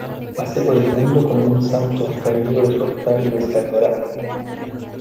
pasé por el mundo como un santo caído de su altar y descalabrado.